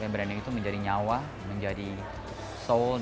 branding itu menjadi nyawa menjadi soul dari brand